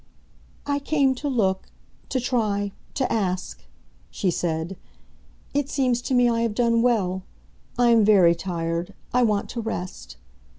"I came to look—to try—to ask," she said. "It seems to me I have done well. I am very tired; I want to rest."